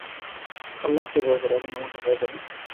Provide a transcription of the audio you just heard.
আল্লাহকে ভয় কর এবং আমাকে হেয় করো না।